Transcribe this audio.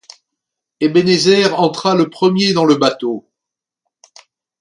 Ebenezer entra le premier dans le bateau.